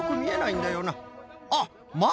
あっ！